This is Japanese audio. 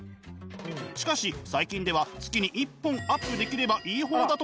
しかし最近では月に１本アップできればいい方だとか。